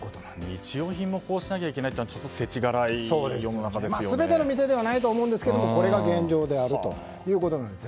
日用品もこうしなきゃいけないのは全ての店ではないと思いますがこれが現状であるということなんです。